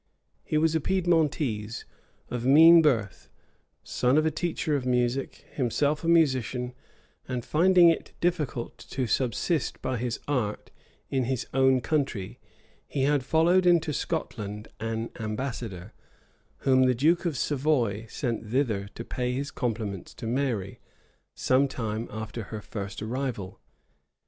He was a Piedmontese, of mean birth, son of a teacher of music, himself a musician; and finding it difficult to subsist by his art in his own country, he had followed into Scotland an ambassador, whom the duke of Savoy sent thither to pay his compliments to Mary, some time after her first arrival.